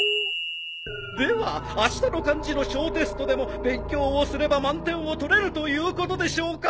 ではあしたの漢字の小テストでも勉強をすれば満点を取れるということでしょうか？